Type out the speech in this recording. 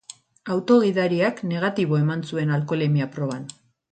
Auto gidariak negatibo eman zuen alkoholemia proban.